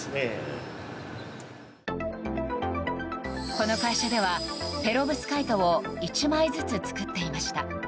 この会社ではペロブスカイトを１枚ずつ作っていました。